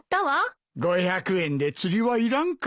５００円で釣りはいらんか。